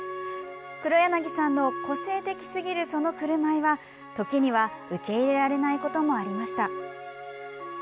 黒柳さんの個性的すぎるそのふるまいは時には、受け入れられないこともありました。